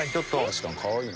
確かにかわいいな。